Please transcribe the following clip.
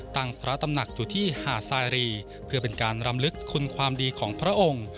พระตำหนักอยู่ที่หาดสายรีเพื่อเป็นการรำลึกคุณความดีของพระองค์